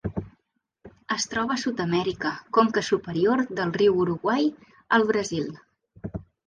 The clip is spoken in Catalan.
Es troba a Sud-amèrica: conca superior del riu Uruguai al Brasil.